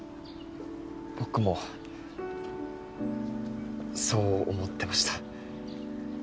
僕もそう思ってました。